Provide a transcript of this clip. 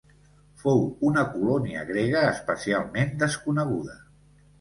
Fou una colònia grega especialment desconeguda.